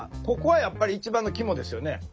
ここはやっぱり一番の肝ですよね。